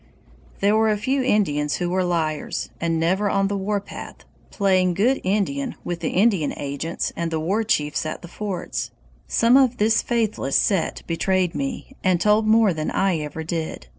"There were a few Indians who were liars, and never on the warpath, playing 'good Indian' with the Indian agents and the war chiefs at the forts. Some of this faithless set betrayed me, and told more than I ever did.